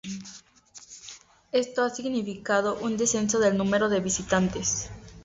Esto ha significado un descenso del número de visitantes.